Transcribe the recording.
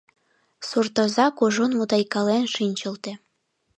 Суртоза кужун мутайкален шинчылте.